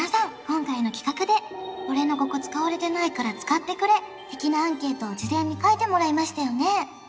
今回の企画で俺のここ使われてないから使ってくれ的なアンケートを事前に書いてもらいましたよね？